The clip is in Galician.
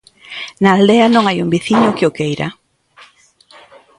Na aldea non hai un veciño que o queira.